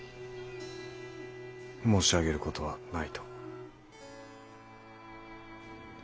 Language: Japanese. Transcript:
申し上げることはないと。